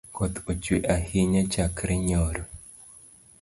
Koth ochwe ahinya chakre nyoro.